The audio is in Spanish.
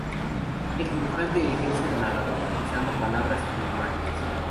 El dibujante ejerce de narrador utilizando palabras e imágenes.